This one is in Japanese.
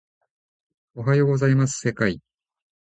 おはようございます世界